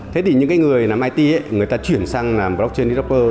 thế thì những người làm it người ta chuyển sang làm blockchain developer